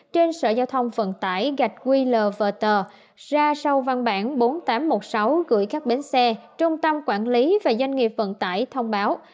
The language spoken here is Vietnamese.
trên sở giao thông vận tải gạch qlverter ra sau văn bản bốn nghìn tám trăm một mươi sáu gửi các bến xe trung tâm quản lý và doanh nghiệp vận tải thông báo